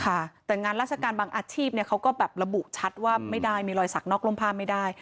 ค่ะแต่งานราชการบางอาชีพเนี่ยเขาก็แบบระบุชัดว่าไม่ได้มีรอยสักนอกร่มผ้าไม่ได้